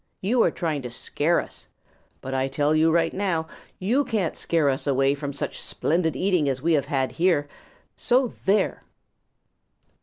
You are trying to scare us. But I'll tell you right now, you can't scare us away from such splendid eating as we have had here. So there!"